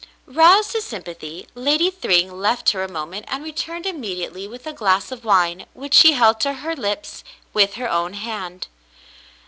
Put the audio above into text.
Roused to sympathy. Lady Thryng left her a mo ment and returned immediately with a glass of wine, which she held to her lips with her own hand.